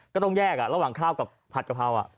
ก็ต้องแยกระหว่างข้าวกับผัดกะเพรา